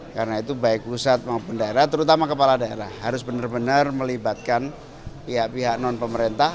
karena itu baik pusat maupun daerah terutama kepala daerah harus benar benar melibatkan pihak pihak non pemerintah